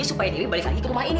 supaya dewi balik lagi ke rumah ini